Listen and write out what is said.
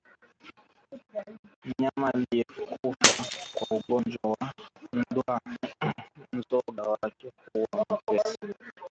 Mnyama aliyekufa kwa ugonjwa wa ndwa mzoga wake huwa mwepesi